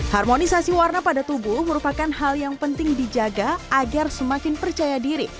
harmonisasi warna pada tubuh merupakan hal yang penting dijaga agar semakin percaya diri